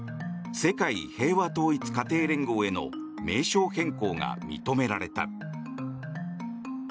世界平和統一家庭連合への名称変更が認められた。